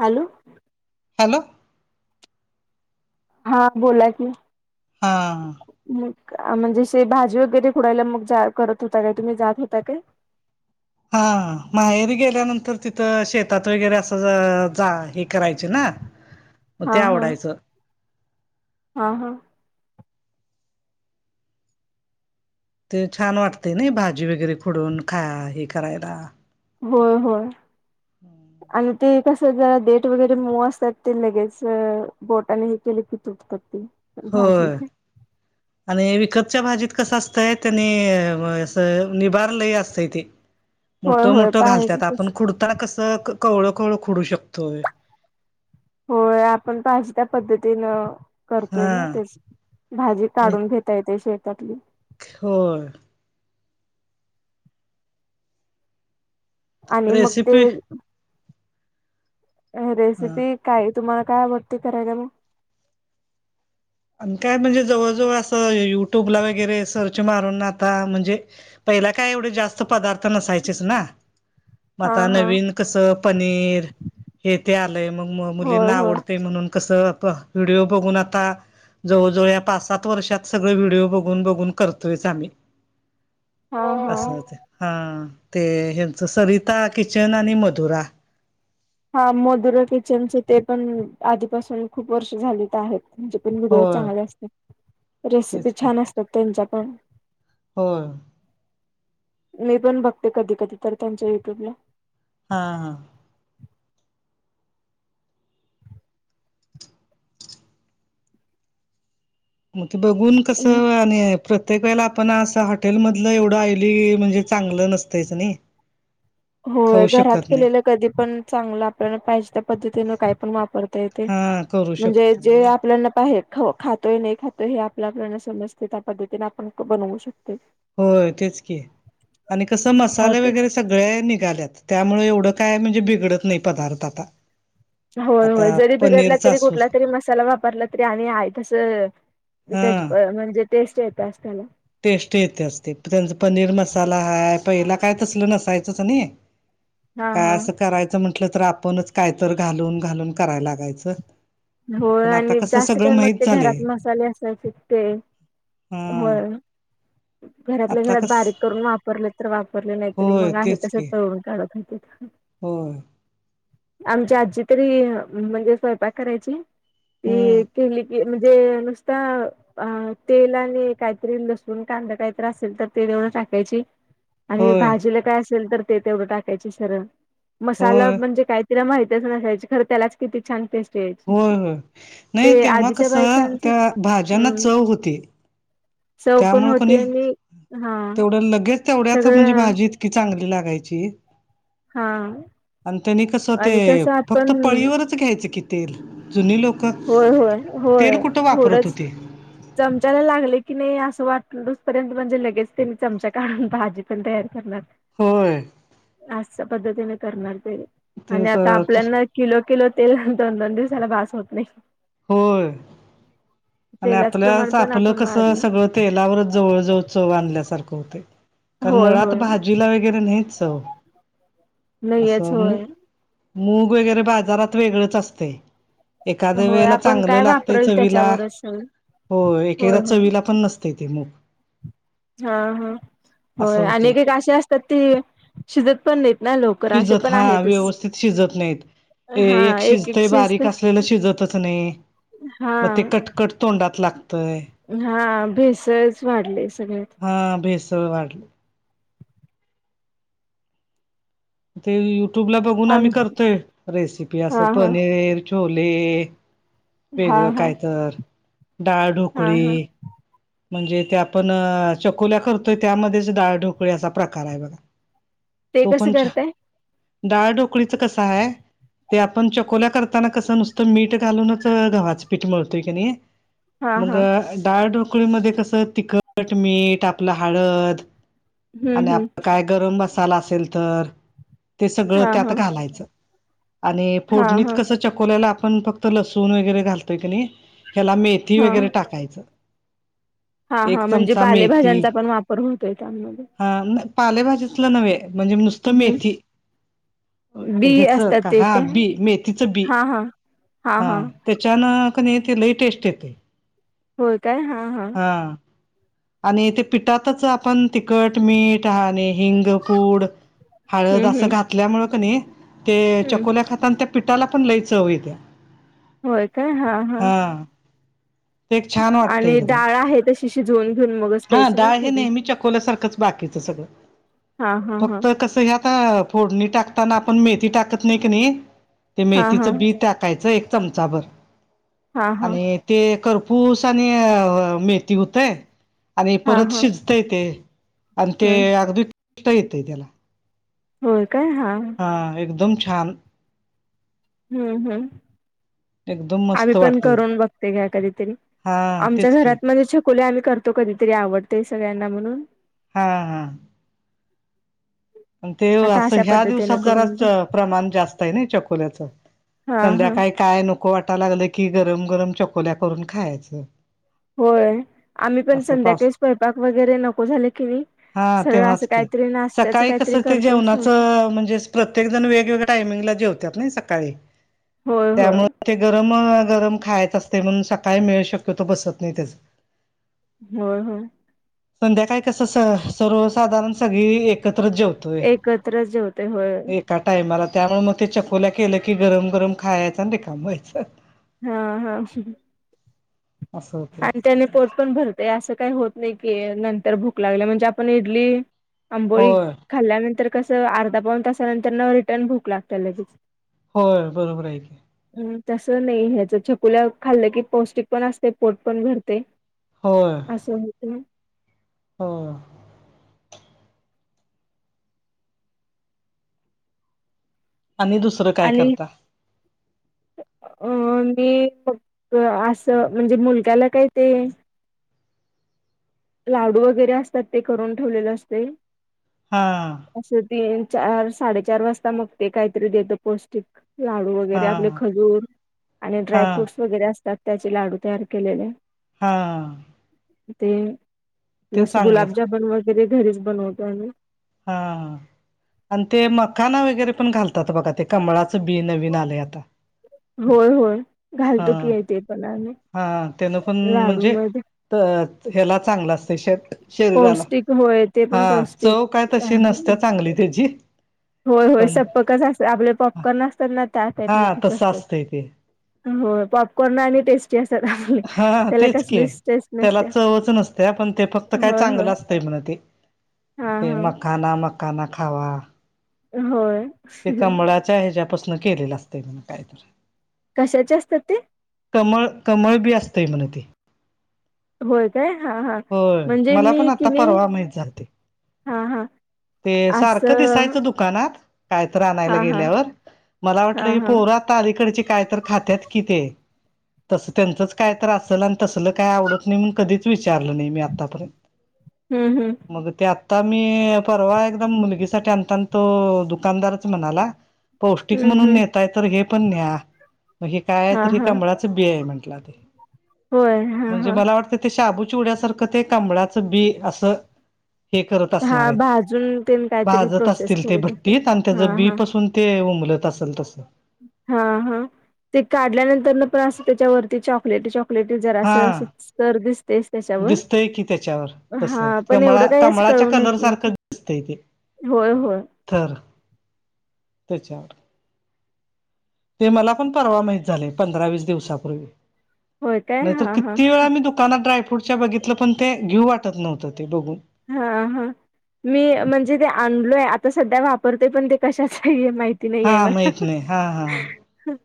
Hello. Hello. हा बोला की हा मग म्हणजेे भाजी वगैरे फुडयला मग करत होता काय तुम्ही जात होता काय हा माहेरी गेल्यानंतर तिथं शेतात वगैरे असं जा हे करायचे ना [unintelligible] मग ते आवडायचं हां हां ते छान वाटते ना भाजी वगैरे फोडून खा हे करायला होय होय आणि ते कस जरा डेट वगैरे मव असतात ते लगेच बोटाने हे केले की तुटतात ते हो भाजी आणि विकतच्या भाजीत कसं असतंय त्यांनी अस निभारलंही असतं इ ती होय होय पाहायज ते त्यांना कसं कवळं कवळं खोडू शकतोय होय आपण पाजी त्या पद्धतीनं करतोय हा ना तेच भाजी काढून घेता येत शेतातली ड आणि मग ते रेसिपी हा रेसिपी काय तुम्हाला काय आवडते करायलाम आणि काय म्हणजे जवळजवळ असं युट्यूबला वगैरे सर्च मारून आता म्हणजे पहिला काय एवढे जास्त पदार्थ नसायचेच ना मग हा आता हा नवीन कस पनीर हे ते आलंय मग होय मुलींना होय आवडते म्हणून कसं व्हिडिओ बघून आता जवळजवळ या पाच सात वर्षात सगळे व्हिडिओ बघून बघून करतोयच आम्ही हा हा असं हा तेचं सरिता किचन आणि मधुरा हा मधुरा किचनचे ते पण आधीपासून खूप वर्ष झालीत आहेतजे व्हिडिओ होय चांगले असते रेसिपी तेच छान असतात त्यांच्या पण हो. मी पण बघते कधी कधी तर त्यांच्या युट्यूबला. हा हा. मग ते बघून कसं आणि प्रत्येक वेळेला आपण असं हॉटेल मधलं एवढं आहिली म्हणजे चांगलं नसतच नाही. [unintelligible] होय खाऊ घरात शकत नाही केलेलं कधी पण चांगलं आपल्याला पाहिजे त्या पद्धतीनं काय पण वापरतायेत. ते हा करू म्हणजे शकतो जे आणि आत- आपल्याना पाहे ख खातोय नाही खातोय हे आपल्या प्रण समजते त्या पद्धतीने आपण बनवू शकते. होय तेच की आणि कस हो मसाले ते वगैरे. सगळे निघाल्यात त्यामुळे एवढं काय म्हणजे बिघडत नाही पदार्थ आता. होय होय आता जरी बिघडला पनीरचा तरी असू कुठला दे. तरी मसाला वापरला तरी आणि आहे तस हा त्या म्हणजे टेस्ट येत्याच त्याला. टेस्ट येते असते त्यांचा पनीर मसाला हाय पहिला काय तसलं नसायचंच नाही. हा काय हा असं करायचं म्हंटलं तर आपणच कायत घालून घालून करायला लागायचं. होय पण आता आणि कसं जास्त सगळं काय मग माहित ते झालंय घरात मसाले असल्या वर शिकते हा होय घरातल्या आता घरात कस बारीक करून वापरले तर वापरले नाहीतरी होय मग आहे तस तळून काढत होतीत. हो. आमच्या आजची तरी म्हणजे स्वयंपाक करायची हम्म ते केली की म्हणजे नुसता अ तेल आणि काहीतरी लसूण कांदा काहीतरी असेल तर ते तेवढ टाकायची आणि होय भाजीला काय असेल तर ते तेवढं टाकायचे सरळ मसाला होय म्हणजे काय िला माहितच नसायची खर त्यालाच किती छान टेस्ट यायची. होय होय नाही ते तेव्हा आधीच्या कसं बायकांचे त्या भाज्यांना हम्म चव होती. चव पण त्यामु होती कोणी आणि हा तेवढं लगेच तेवढ्याच म्हणजे सगळं भाजी इतकी चांगली लागायची हा. आणि त्यांनी कसं ते आणि कसं आपण फक्त पळीवरच घ्यायचं कि तेल जुनी लोक होय होय तेल होय कुठं वापरत थोडंच होते. चमचाला लागले की नाही असं वाटोसपर्यंत म्हणजे लगेच त्यांनी चमचा काढून भाजी पण तयार करणार. होय. अस पद्धतीने करणार तेनी आणि तेच आता आपल्याना किलो किलो तेलंत तो दोन दिवसाला बास होत नाही. होय आणि तेलाच प्रमाण आपल्याच पण आपलं आपण कसं वाढलं सगळं तेलावरच जवळवळ चव आणल्या होतय कारण होय मुळात होय भा जिला वगैरे नाहीच नाहीयच असं म होय मूग वगैरे बाजारात वेगळच असते एखाद्या होय वेळेला आपण चांगलं काय लागतय वापरल चवीला त्याच्यावरच सगळं हो होय एकदा होय चवीला पण नसतेय ते मूग हा हा असं होय होतय आणिक ते. एक अशी असतात ती शिजत पण नाहीत ना लवकर असे शिजत पण हा आहेतच. व्यवस्थित शिजत नाहीत. ए एक शिजतय बारीक असलेलं शिजतच नाही हा मग ते कटकट तोंडात लाग हा भेसळच वाढले सगळ्यात. ह भेसळ वाढली. ते युट्यूब ला बघून आम आम्ही करतोय रेसिपी असं हा हा पनीर छोले हा वेगळं हा काय तर हा डाळढोकळे. हा म्हणजे ते आपण चकोल्या करतोय त्यामध्येच डाळढोकळी असा प्रकार आहे बघा. ते तो कसं पण छ करताय. डाळ डोकळीचं कसं आहे. ते आपण चकोल्या करताना कसं नुसतं मीठ घालूनच गव्हाचं पीठ मिळतोय की नाही. हा मग हा डाळढोकळीमध्ये कसं तिखट मीठ आपलं हळद आणि हम्म हम्म आपला काय गरम मसाला असेल तर ते सगळं हा त्यात हा घालायचं आणि हा फोडणीत हा कस चकोल्याला आपण फक्त लसूण वगैरे घालतोय की नाही ह्याला मेथी हा वगैरे टाकायचं. हा एक हा म्हणजे चमचा मेथी बालेभाज्यांचा पण वापर होतोय त्यामध्ये हा पालेभजीचला नव्हे म्हणजे नुसतं मेथी हम्म बी ह्याच असतात ते हा काय बी मेथीचं बी हा हा हा त्याच्यानं कध ते लईटेस्ट येते. होय काय हा हा. हा आणि ते पिठातच आप. पण तिखट मीठ ह आणि हिंगपूड हळद हम्म असं हम्म घातल्यामुं क नाही. ते हम्म चकोल्या खाताना त्या पिठाला पण लईच हव येत्या. होय काय हा हा. ते एक छान वाटतं आणि एकदम डाळ आहे तशी शिजवून घेऊन मगच हा द्यायची ना डाळ हे फोडणी नेहमीच्या खोल्यासारखंच. बाकीच सगळं हा हा हा फक्त कसं हे आता. फोडणी टाकताना आपण मेथी टाकत नाही का नाही ते हा हा मेथीचं बी टाक टका एक चमचा भ हा हा आणि ते करपूस आणि मेथी होतय. आणि हा परत हा शिजत येते आणि ते हम्म अगदी कष्ट येते त्याला. होय काय हा. हां एकदम छान. हम्म हम्म. एकदम आम्ही मस्त पण वाटते करून बघते घ्या कधीतरी हा आमच्या तेच की घरात म्हण खुले आम्ही करतो कधीतरी आवडतेय सगळ्यांना म्हणून. हा हा. ते आता असं अशा ह्या पद्धतीने दिवसात जरा करून बघ प्रमाण जास्त आहे ना चकोल्याचं. हा हा संध्याकाळी काय नको वाटयला लागलं की गरम गरम चकोल्या करून खायच. होय आम्ही पण संध्याकाळी स् पयपाक वगैरे नको झाले की नाही. हा सरळ तेव्हाच असं के काहीतरी नाश्त्याचं सकाळी कस काहीतरी ते करतो असं जेवणाच होतं. म्हणजे प्रत्येक जण वेगवेगळ्या टायमिंगला जेवतात नाही सकाळी. होय होय त्यामुळे ते गरम गरम खायच असते म्हणून सकाळी मिळू शक्यतो बसत नाही त्याच. हो हो. संध्या काय कस स सर्वसाधारण सगळी एकत्र जेवत. एकत्र जेवते होय. का टायमाला त्यामुळे मग ते चकोला केलं की गरम गरम खायचं र कामायच. हा हा. अस असंते. आणि त्याने पोत पण भरतय असं काही होत नाही की नंतर भूक लागली म्हणजे आपण इडली. आंबोळी होय खाल्ल्यानंतर कसं अर्धा पाऊन तासानंतर न रिटर्न भूक लागते लगेच. होय बरोबर आहेऐक. हम् तस नाही ह्याच चकुल्या खाल्लं की पौष्टिक पण असते पोट पण भडते. हो. असं होत. हा. आणि दुसरं. काय आणि. करता अ मी मग असं म्हणजे मुलग्याला काय ते लाडू वगैरे असतात ते करून ठेवलेले असते. हा. असं ती चार साडेचार वाजता मग ते काहीतरी देत पौष्टिक. लाडू हा वगैरे आपले खजूर आणि ड्राय हा फ्रूट्स वगैरे असतात त्याचे लाडू तयार केलेले. हा. ते ते जस चांगलं असत. गुलाबजामन वगैरे घरीच बनवतो आम्ही हा आणि ते मकाना वगैरे पण घालतात बघा ते कमळाचं बी नवीन आले आता होय होय घालतो हा की ते पण आम्ही हा त्यानं पण लाडू म्हणजे मध्ये. तर ह्याला चांगलं असतय श शरीराला पौष्टिक होय ते पण हा पौष्टिक चव काय. तशी आहे ते नसतीयां चांगली त्याची होय होय पण सप्पकच असत आपले पॉपकॉर्न असत्यात ना त्या हा टाईपमध्येच तसं असतात असतंय ते हो पॉपकॉर्न ना आणि टेस्टी असत्यात आपली.. हा त्याला कसलीच टेस्ट नसतीयां त्या पण ते फक्त काय चांगलं असतंय म्हण ते हा ते हा मकाना मकाना खावा होय ते कंमळाच्या ह्याच्यापासून केलेलं असतय म्हण ते काय ते कशाचे असतात ते कमळ.. कमळ बी असतय म्हणे ती होय काय.. हा हा होय म्हणजे मला मी पण आता किनी.. परवा माहित झालं ते हा हा ते सारखं असं दिसायचं दुकानात कायतरं हा आणायला हा गेल्यावर मला हा वाटलं ही हा पोरात आता अलीकडचे काय तर खात्यात कि ते तसं त्यांचच कायतर असल आणि तसलं काय आवडत नाही म्हण कधीच विचारलं नाही मी आत्तापर्यंत हम्म हम्म मग ते आता मी परवा एकदम मुलगीसाठी अता तो दुकानदारच म्हणाला पौष्टिक हम्म म्हणून हम्म नेताय तर हे पण न्या म काय हा तरं हा कमळातं बि आहे म्हटला ते.. होय हा म्हणजे हा मला वाटतंय ते शाबू चिवउड्यासारखं ते कबळाचं बी असं हे करत असणार आहेत अजून तेन काय भाजत असतील ते भट्टीत आणि त्याच हा बीपासून ते उमलत असल तसं हा हा ते काढल्यानंतर नंतर पण असं त्याच्यावरती चॉकलेटी प्लेट जरासं.. हा सर दिसतेसचं त्याच्यावर.. दिसतय की त्याच्यावर तसं हा पण एवढं काय असं कळवून येत नाही ते े [inaudible] होय होय स्थर त्याचावर ते मला पण परवा माहित झालय पंधरा वीस दिवसापूर्वी होय काय नाहीतर हा हा किती वेळा मी दु दुकानातं ड्राय फ्रूटच्या बघितलं पण ते घेऊ वाटत नव्हतं ते बघून हा हा मी म्हणजे ते आणलोय आता सध्या वापरतोय पण ते कशाच आहे माहिती नाही हा आहे मला माहित नाही हा हा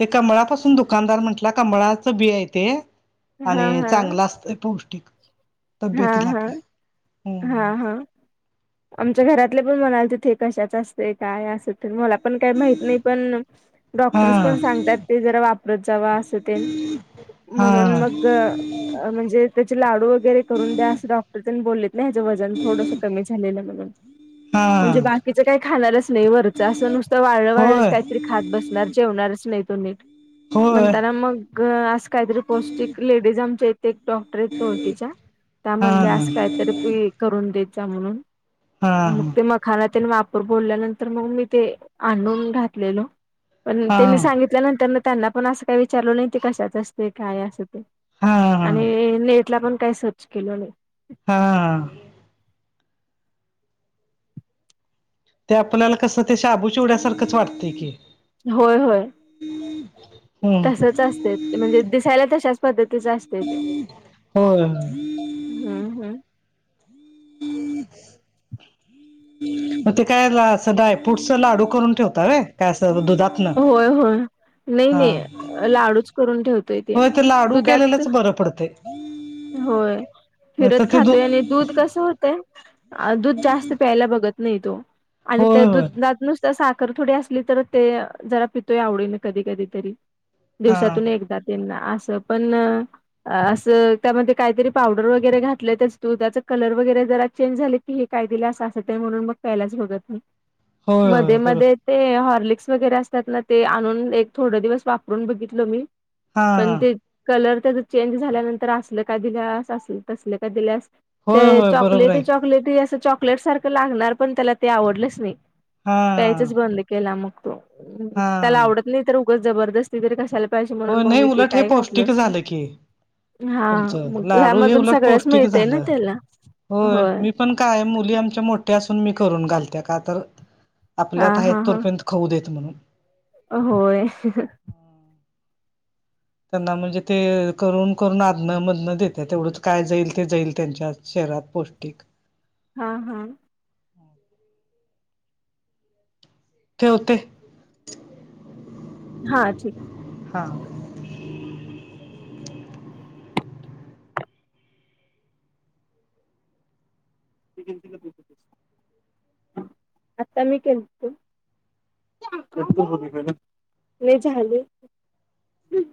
ते कमळापासून दुकानदार म्हटला कमळाचं बि आहे ते हा आणि हा चांगलं असतंय पौष्टिक हा तब्येतीला हा... आपल्या हा हम्म हा आमच्या घरातले पण म्हणालते ते कशाच असतय काय असं तर मला पण काही माहित नाही पण डॉक्टर्स पण हा सांगतात ते जरा वापरत जावा असं तेन म्हणून हा मग म्हणजे त्याचे लाडू वगैरे करून द्या असं डॉक्टर त्यांनी बोललेत हेज वजन थोडस कमी झालेलं म्हणून... म्हणजे हा बाकीच काही खाणारच नाही वरचं असं नुसतं वाळलं, वाळच होय काहीतरी खात बसणार जेवणारच नाही तो नीट होय म्हणताना मग अस काहीतरी पौष्टिक लेडीज आमच्या इथे एक डॉ ओळखीचा... हा म्हणले असं काहीतरं बि करून देत जा हा म्हणून खाना त्याने वापर बोलल्यानंतर मग मी ते आणून घातलेलो पण हा त्यांनी हा सांगितल्यानंतर त्यांना पण असं काही विचारलं नाही ते कशाच असतय काय असं ते.. हा आणि नेट ला पण काही सर्च केल नाही हा ते आपल्याला कसं ते शाबू चिवड्यासारखंच वाटतंय की होय होय हम्म तसच असते म्हणजे दिसायला तशाच पद्धतीचं असते ते हो हम्म हम्म हम् मग ते काय सय पुढचा लाडू करून ठेवताय काय अस दुधात होय होय नाही नाही लाडूच करून ठेव हो तर लाडू केलेलच बरं पडतय होय फिरत तर ते दु खातोय आणि दूध कसं होतय? दूध जास्त प्यायला बघत नाही तो आणि त्या होय होय दुधात नुसता सा ख थोडी असली तर ते जरा पितोय आवडे ना कधी कधी तरी हा दिवसातून एकदा त्यांना असं पण असं त्यामध्ये काहीतरी पावडर वगैरे घातलं त्या त्याच दुधाच कलर वगैरे जरा चेंज झाले की हे काय दिले असं असं ते म्हणून मग प्यायलाच बघत नहीं होय मध्ये होय बरोबर मध्ये ते हॉर्लिक्स वगैरे असतात ना ते आणून एक थोड दिवस वापरून बघितलं मी. हा पण हा ते कलर त्या चेंज झाल्यानंतर अस का दिला अस असले का दिला अस होय ते होय बरोबर आहे चॉकलेटी चॉकलेटी अस चॉक चॉकलेट सारखं लागणार पण त्याला ते आवडलंच नाही हा प्यायचच बंद केला मग तो हा त्याला आवडत नाही तर उगड जबरदस्त तिरी कशायला पाहिजे म्हणून होय मग नाही मी ते उलट हे काय घातल पौष्टिक अस झालं की ना हा तुमचं लाडू हे ह्यामधून उलट सगळंच पौष्टिक मिळतय ना झालं त्याला होय. मोठे असून मी करून घालत का तर हा आपल्यात आहेत हा हा तोपर्यंत खाऊ देत म्हणून होय त्यांना म्हणजे ते करून करून आधण मधन देत्यात तेवढंच काय जाईल ते जाईल त्यांच्यात शरिरात पौष्टीक हा हा ठेवते हा ठीक आहे. हा आता मी केलतो. नाही झाले.